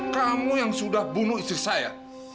kamu yang sudah bunuh istri saya